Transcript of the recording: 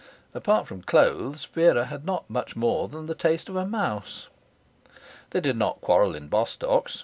Apart from clothes, Vera had not much more than the taste of a mouse. They did not quarrel in Bostock's.